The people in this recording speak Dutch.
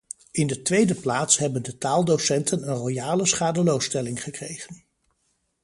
In de tweede plaats hebben de taaldocenten een royale schadeloosstelling gekregen.